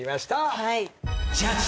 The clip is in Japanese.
はい。